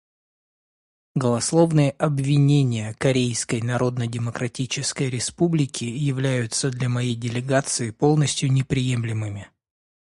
Голословные обвинения Корейской Народно-Демократической Республики являются для моей делегации полностью неприемлемыми.